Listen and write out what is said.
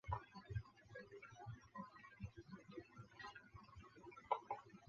转场调度俐落明快以及充满机锋的语言也是这部小说好看的地方。